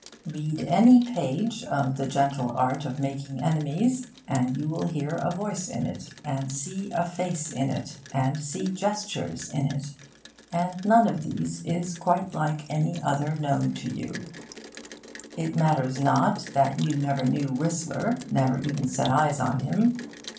Read any page of The Gentle Art of Making Enemies, and you will hear a voice in it, and see a face in it, and see gestures in it. And none of these is quite like any other known to you. It matters not that you never knew Whistler, never even set eyes on him.